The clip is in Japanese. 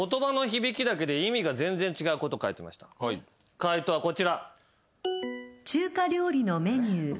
解答はこちら。